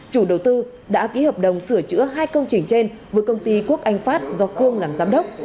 chủ đầu tư đã ký hợp đồng sửa chữa hai công trình trên với công ty quốc anh phát do khương làm giám đốc